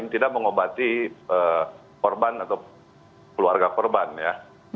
tidak mengobati korban atau keluarga korban ya